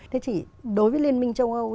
thế chỉ đối với liên minh châu âu